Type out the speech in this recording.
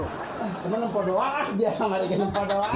cuman empat doang lah biasa gak lagi empat doang